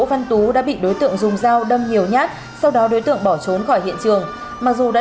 văn tú đã bị đối tượng dùng dao đâm nhiều nhát sau đó đối tượng bỏ trốn khỏi hiện trường mặc dù đã